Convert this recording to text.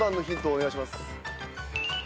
お願いします。